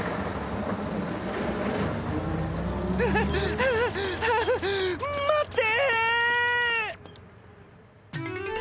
はあはあはあ待って！